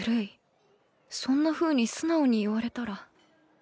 そんなふうに素直に言われたら